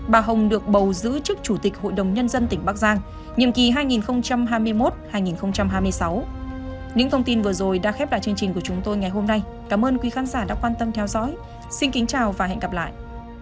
bà hồng được bầu giữ chức chủ tịch hội đồng nhân dân tỉnh bắc giang nhiệm kỳ hai nghìn hai mươi một hai nghìn hai mươi sáu